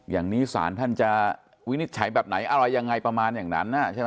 อย่างนี้ศาลท่านจะวินิจฉัยแบบไหนอะไรยังไงประมาณอย่างนั้นใช่ไหม